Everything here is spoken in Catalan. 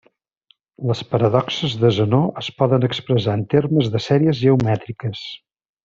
Les paradoxes de Zenó es poden expressar en termes de sèries geomètriques.